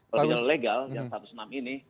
kalau pinjol ilegal yang satu ratus enam ini